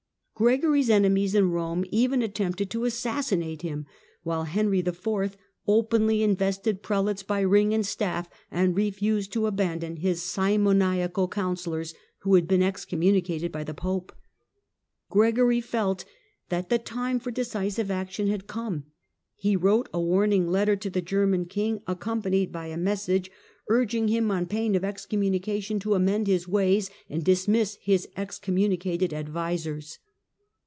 Gregory's enemies in Eome even attempted to assassinate him, while Henry IV. openly invested prelates by ring and staff, and refused to abandon his simoniacal counsellors, who had been excom municated by the Pope. Gregory felt that the time for decisive action had come. He wrote a warning letter to the German king, accompanied by a message urging him. THE WAR OF INVESTITURE 83 on pain of excommunication, to amend his ways and dismiss his excommunicated advisers.